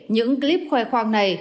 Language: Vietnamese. những clip khoe khoang này